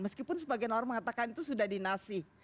meskipun sebagian orang mengatakan itu sudah dinasih